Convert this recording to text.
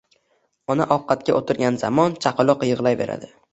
Ona ovqatga o’tirgan zamon chaqaloq yig’layveradi.